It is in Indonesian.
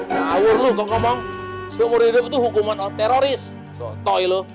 ngawur lo kok ngomong seumur hidup itu hukuman teroris sotoi lo